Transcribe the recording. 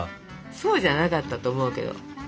そうじゃなかったと思うけど。